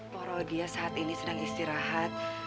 poro dia saat ini sedang istirahat